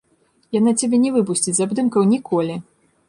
Яна цябе не выпусціць з абдымкаў ніколі.